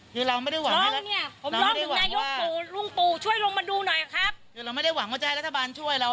เราไม่ได้หวังว่าจะให้รัฐบาลช่วยเรา